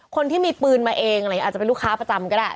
คนที่มีปืนมาเองอะไรอย่างนี้อาจจะเป็นลูกค้าประจำก็ได้